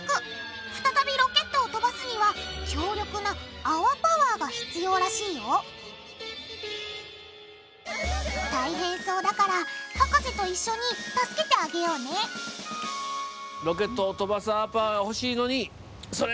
再びロケットを飛ばすには強力なあわパワーが必要らしいよ大変そうだから博士と一緒に助けてあげようねなに？